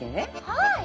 はい。